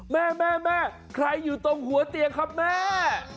แม่แม่ใครอยู่ตรงหัวเตียงครับแม่